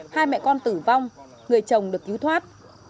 hai mẹ con tử vong người chồng được cứu thoát